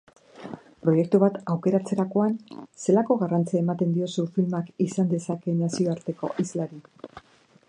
Proiektu bat aukeratzerakoan, zelako garrantzia ematen diozu filmak izan dezakeen nazioarteko islari?